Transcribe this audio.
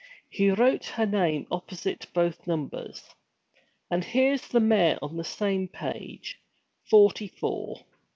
He wrote her name opposite both numbers. 'And here's the mayor on the same page forty four!